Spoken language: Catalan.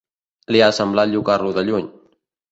Li ha semblat llucar-lo de lluny.